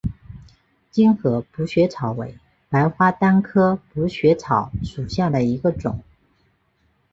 精河补血草为白花丹科补血草属下的一个种。